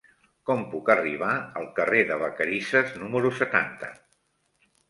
Com puc arribar al carrer de Vacarisses número setanta?